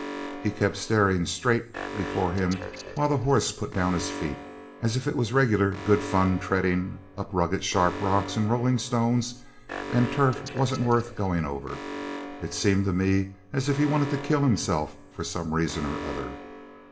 He kept staring straight before him while the horse put down his feet, as if it was regular good fun treading up rugged sharp rocks and rolling stones, and turf wasn't worth going over. It seemed to me as if he wanted to kill himself for some reason or other.